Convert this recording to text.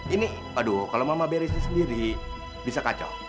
ini aduh kalau mama berisi sendiri bisa kacau